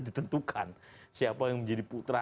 ditentukan siapa yang menjadi putra